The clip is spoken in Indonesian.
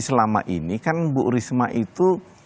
selama ini kan bu risma itu